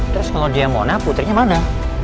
terus kalau dia mona putrinya mana